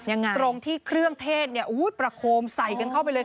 ยังไงตรงที่เครื่องเทศเนี่ยประโคมใส่กันเข้าไปเลย